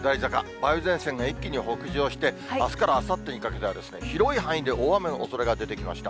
梅雨前線が一気に北上して、あすからあさってにかけては、広い範囲で大雨のおそれが出てきました。